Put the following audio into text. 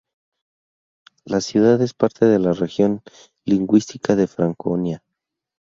La ciudad es parte de la región lingüística de Franconia.